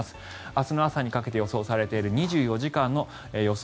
明日の朝にかけて予想されている２４時間の予想